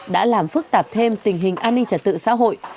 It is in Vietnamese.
đã làm phức tạp thêm tình hình an ninh trật tự xã hội